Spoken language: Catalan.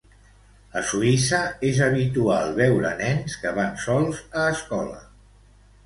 A Suïssa, és habitual veure nens que van sols a escola.